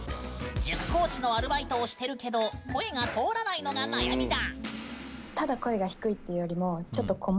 塾講師のアルバイトをしてるけど声が通らないのが悩みだ。